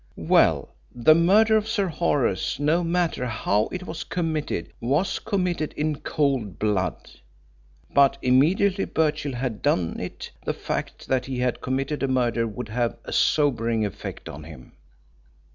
Well, the murder of Sir Horace, no matter how it was committed, was committed in cold blood. But immediately Birchill had done it the fact that he had committed a murder would have a sobering effect on him.